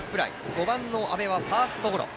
５番の阿部はファーストゴロ。